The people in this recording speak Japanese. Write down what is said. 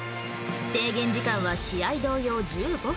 制限時間は試合同様１５分。